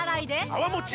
泡もち